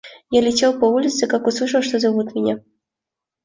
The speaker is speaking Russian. Я летел по улице, как услышал, что зовут меня.